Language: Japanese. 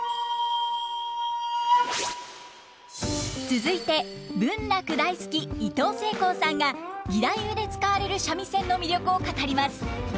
続いて文楽大好きいとうせいこうさんが義太夫で使われる三味線の魅力を語ります。